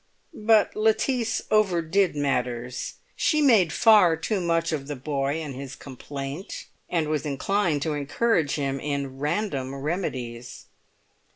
But Lettice overdid matters; she made far too much of the boy and his complaint, and was inclined to encourage him in random remedies.